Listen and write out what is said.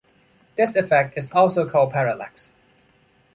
This effect is also called parallax.